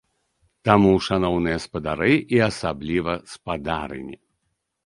Таму, шаноўныя спадары і асабліва спадарыні!